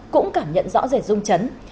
cũng cảm nhận rõ rẻ rung chấn